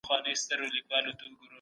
ګاونډیانو به د سولي لپاره هڅي کولې.